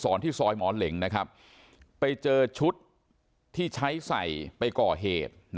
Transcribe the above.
ที่ซอยหมอเหล็งนะครับไปเจอชุดที่ใช้ใส่ไปก่อเหตุ